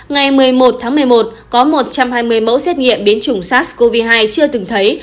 ngày một mươi một tháng một mươi một có một trăm hai mươi mẫu xét nghiệm biến chủng sars cov hai chưa từng thấy